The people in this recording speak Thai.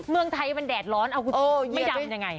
เมืองไทยมันแดดร้อนเอาคุณไม่ดำยังไง